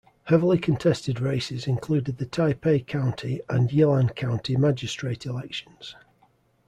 Heavily contested races included the Taipei County and Yilan County magistrate elections.